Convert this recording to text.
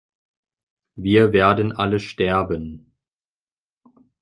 Wir werden alle sterben